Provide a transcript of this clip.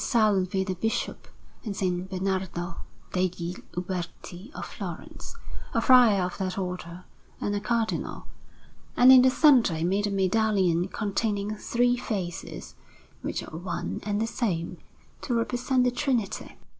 Salvi the Bishop, and S. Bernardo degli Uberti of Florence, a friar of that Order and a Cardinal; and in the centre he made a medallion containing three faces, which are one and the same, to represent the Trinity.